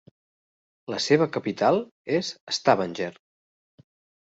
La seva capital és Stavanger.